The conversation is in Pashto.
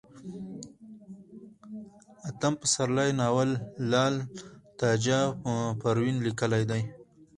اتم پسرلی ناول لال تاجه پروين ليکلئ دی